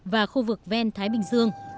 và khu vực ven thái bình dương